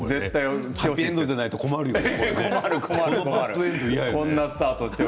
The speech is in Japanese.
ハッピーエンドじゃないと困るよね。